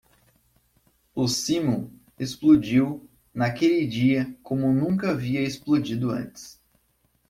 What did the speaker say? O simum explodiu naquele dia como nunca havia explodido antes.